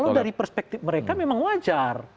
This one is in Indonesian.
kalau dari perspektif mereka memang wajar